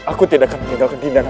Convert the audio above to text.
aku tidak akan meninggalkan gindang